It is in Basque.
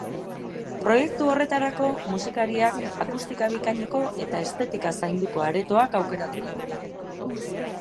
Proiektu horretarako, musikariak akustika bikaineko eta estetika zainduko aretoak aukeratu ditu.